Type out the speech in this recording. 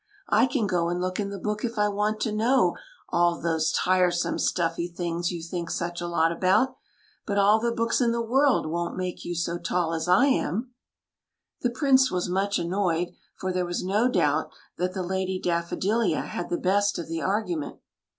I can go and look in the book if I want to know all those tiresome stuffy things you think such a lot about ; but all the books in the world won't make you so tall as I am !" The Prince was much annoyed, for there was no doubt that the Lady Daffodilia had the best of the argument.